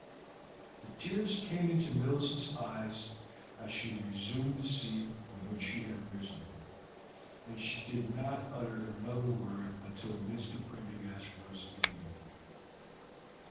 The tears came into Millicent's eyes as she resumed the seat from which she had risen, and she did not utter another word until Mr. Prendergast rose to leave.